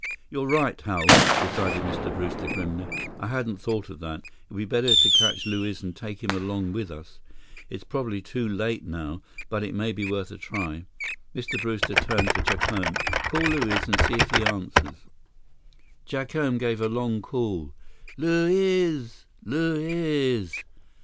"You're right, Hal," decided Mr. Brewster grimly. "I hadn't thought of that. It would be better to catch Luiz and take him along with us. It's probably too late now, but it may be worth a try." Mr. Brewster turned to Jacome. "Call Luiz, and see if he answers." Jacome gave a long call: "Luiz! Luiz!"